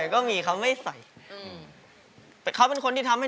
เก็บก็ต้องเก็บครับแม่